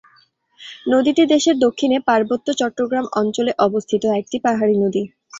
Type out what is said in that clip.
নদীটি দেশের দক্ষিণে পার্বত্য চট্টগ্রাম অঞ্চলে অবস্থিত একটি পাহাড়ি নদী।